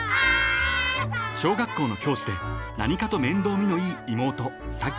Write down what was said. ［小学校の教師で何かと面倒見のいい妹］